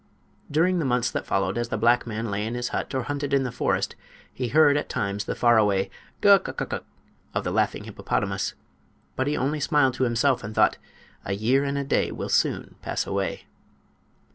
During the months that followed, as the black man lay in his hut or hunted in the forest, he heard at times the faraway "Guk uk uk uk!" of the laughing hippopotamus. But he only smiled to himself and thought: "A year and a day will soon pass away!"